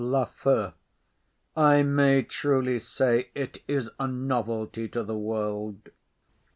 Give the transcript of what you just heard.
LAFEW. I may truly say, it is a novelty to the world.